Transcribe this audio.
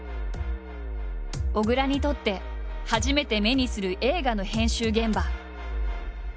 小倉にとって初めて目にする映画の編集現場。